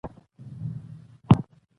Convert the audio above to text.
نن مې د کور سامان برابر کړ.